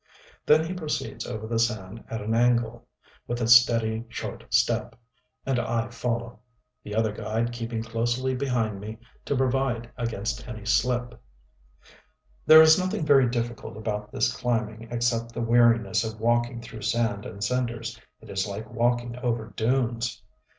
Then he proceeds over the sand at an angle, with a steady short step, and I follow; the other guide keeping closely behind me to provide against any slip. There is nothing very difficult about this climbing, except the weariness of walking through sand and cinders: it is like walking over dunes....